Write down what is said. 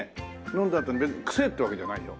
飲んだあとに別にくせえってわけじゃないよ。